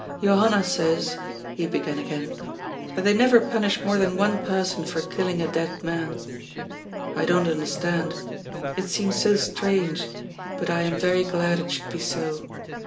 " Johanna says," he began again, " that they never pun ish more than one person for killing a dead man. I don't understand ; it seems so strange, but I am very glad it should be so.